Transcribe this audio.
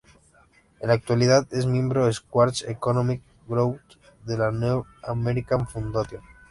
En la actualidad es miembro 'Schwartz Economic Growth' de la "New America Foundation".